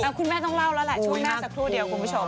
คุณแม่ต้องเล่าแล้วแหละช่วงหน้าสักครู่เดียวคุณผู้ชม